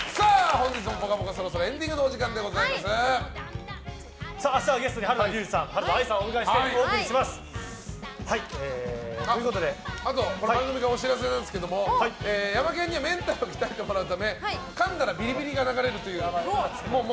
本日も「ぽかぽか」そろそろエンディングの明日はゲストに原田龍二さん、原田愛さんをお迎えして番組からお知らせなんですがヤマケンにはメンタルを鍛えてもらうためかんだらビリビリが流れるという。